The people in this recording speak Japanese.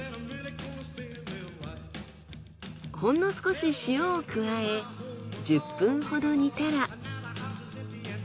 ほんの少し塩を加え１０分ほど煮たら。